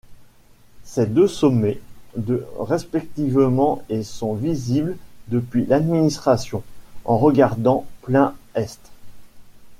Ces deux sommets, de respectivement et sont visibles depuis l’administration, en regardant plein est.